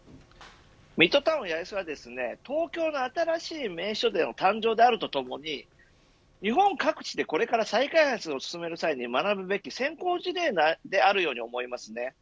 ミッドタウン八重洲は東京の新しい名所の誕生であるとともに日本各地でこれから再開発を進める際に学ぶべき先行事例であるように思います。